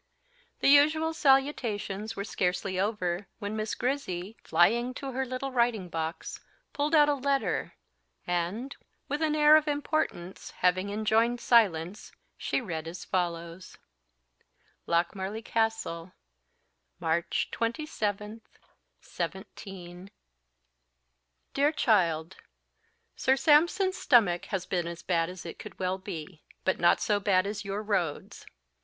The usual salutations were scarcely over when Miss Grizzy, flying to her little writing box, pulled out a letter, and, with an air of importance, having enjoined silence, she read as follows: "LOCMARLIE CASTLE, March 27,17 . "DEAR CHILD Sir Sampson's stomach has been as bad as it could well be, but not so bad as your roads.